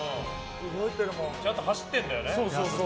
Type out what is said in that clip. ちゃんと走ってるんだよね。